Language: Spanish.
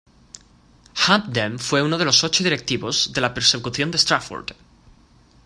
Hampden fue uno de los ocho directivos de la persecución de Strafford.